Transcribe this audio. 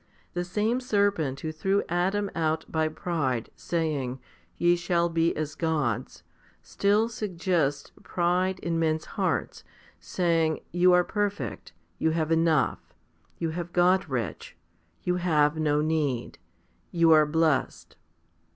The same serpent who threw Adam out by pride, saying, Ye shall be as gods, 1 still suggests pride in men's hearts, saying, "You are perfect; you have enough ; you have got rich ; you have no need ; you are blessed."